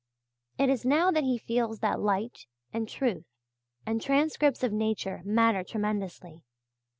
It is now that he feels that light, and truth, and transcripts of nature matter tremendously.